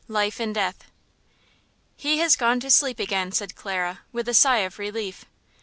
–Life and Death. "HE has gone to sleep again," said Clara, with a sigh of relief.